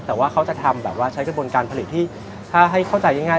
แต่ว่าเขาจะทำแบบว่าใช้กระบวนการผลิตที่ถ้าให้เข้าใจง่าย